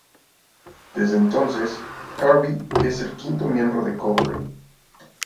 Desde entonces, Harvey es el quinto miembro de Coldplay.